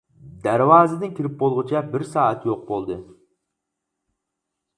دەرۋازىدىن كىرىپ بولغۇچە بىر سائەت يوق بولدى.